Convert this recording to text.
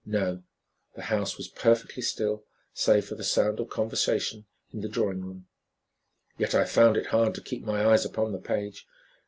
No. The house was perfectly still, save for the sound of conversation in the drawing room. Yet I found it hard to keep my eyes upon the page.